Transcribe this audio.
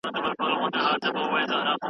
د ټولني هر غړی باید خپله دنده ترسره کړي.